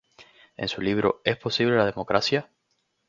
En su libro "¿Es posible la democracia?